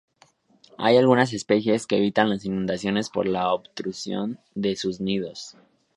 Hay algunas especies que evitan las inundaciones por la obstrucción de sus nidos.